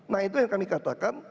nah itu yang kami katakan